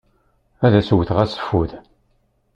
Ad as-wwteɣ aseffud.